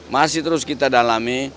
masih terus kita dalami